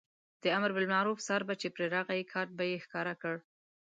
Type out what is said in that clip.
د امربالمعروف څار به چې پرې راغی کارټ به یې ښکاره کړ.